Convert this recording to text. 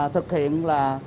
thực hiện là